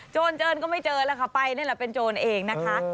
โจรเจินก็ไม่เจอล่ะค่ะไปนั่นล่ะเป็นโจรเองนะฮะ